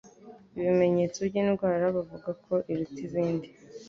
ibimenyetso by'indwara bavugako iruta izindi